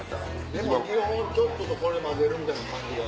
でも基本ちょっととこれ混ぜるみたいな感じが。